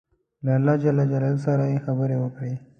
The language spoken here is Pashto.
له الله جل جلاله سره یې خبرې وکړې.